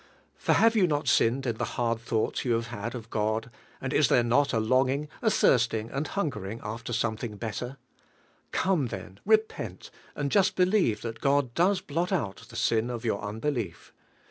For have yon not sinned in f lie ,;inl ilnuigliis you have had of Bod, and is there not a longing, a thirsting anil hungering ufler snniollling liiiler? dome, [hen, repent, and just believe thai God does hi. 'I mil the sin of your unbelief.